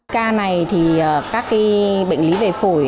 các bệnh lý về phổi